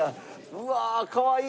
うわあかわいい！